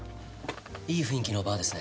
いい雰囲気のバーですね。